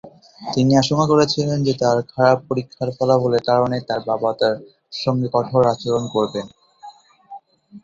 তিনি আশঙ্কা করেছিলেন যে তাঁর খারাপ পরীক্ষার ফলাফলের কারণে তাঁর বাবা তাঁর সঙ্গে কঠোর আচরণ করবেন।